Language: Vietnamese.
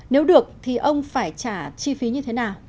nếu được thì ông phải trả chi phí như thế nào